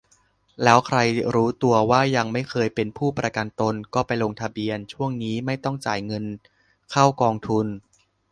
แล้วใครรู้ตัวว่ายังไม่เคยเป็นผู้ประกันตน ก็ไปลงทะเบียน ช่วงนี้ไม่ต้องจ่ายเงินเข้ากองทุน